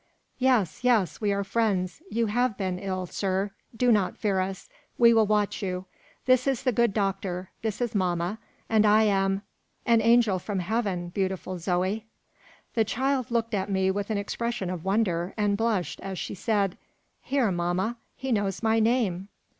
"Yes, yes! we are friends: you have been ill, sir. Do not fear us; we will watch you. This is the good doctor. This is mamma, and I am " "An angel from heaven, beautiful Zoe!" The child looked at me with an expression of wonder, and blushed as she said "Hear, mamma! He knows my name!"